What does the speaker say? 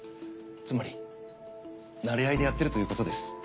つまりなれ合いでやってるということです。